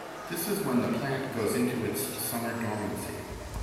This is when the plant goes into its summer dormancy.